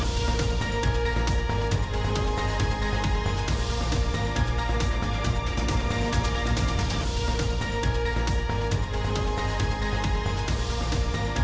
โปรดติดตามตอนต่อไป